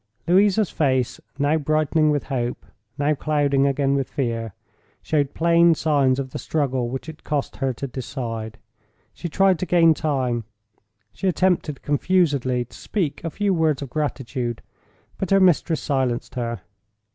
Louisa's face, now brightening with hope, now clouding again with fear, showed plain signs of the struggle which it cost her to decide. She tried to gain time; she attempted confusedly to speak a few words of gratitude; but her mistress silenced her.